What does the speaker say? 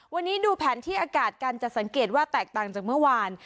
วันนี้ดูแผนที่อากาศกันจะสังเกตว่าแตกต่างจากเมื่อวาน